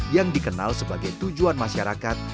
yang dikenal sebagai tujuan masyarakat